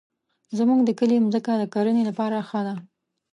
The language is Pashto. زمونږ د کلي مځکه د کرنې لپاره ښه ده.